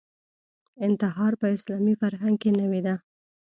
انتحار په اسلامي فرهنګ کې نوې ده